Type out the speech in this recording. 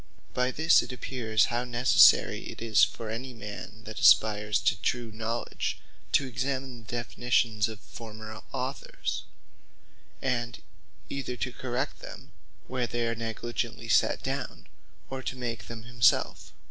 By this it appears how necessary it is for any man that aspires to true Knowledge, to examine the Definitions of former Authors; and either to correct them, where they are negligently set down; or to make them himselfe.